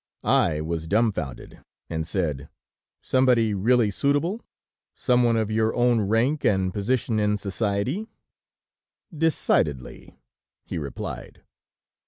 "I was dumbfounded, and said: 'Somebody really suitable? ... Some one of your own rank and position in society?' "'Decidedly,' he replied.